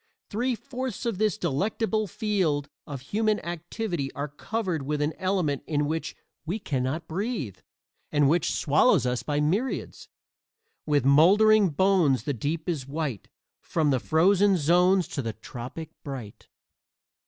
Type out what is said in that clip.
Three fourths of this delectable field of human activity are covered with an element in which we can not breathe, and which swallows us by myriads: With moldering bones the deep is white From the frozen zones to the tropic bright.